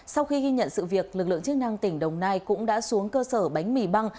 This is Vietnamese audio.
sau khi ghi nhận sự việc lực lượng chức năng tỉnh đồng nai cũng đã xuống cơ sở bánh mì băng